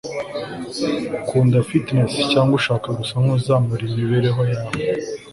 ukunda fitness cyangwa ushaka gusa kuzamura imibereho yawe